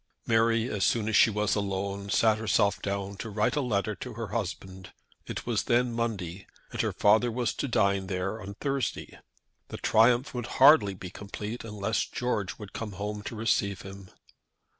Mary, as soon as she was alone, sat herself down to write a letter to her husband. It was then Monday, and her father was to dine there on Thursday. The triumph would hardly be complete unless George would come home to receive him.